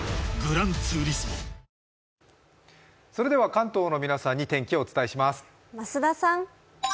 関東の皆さんに天気をお伝えします。